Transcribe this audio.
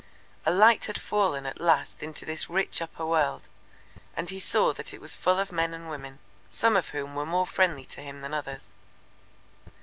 A light had fallen at last into this rich upper world, and he saw that it was full of men and women, some of whom were more friendly to him than others.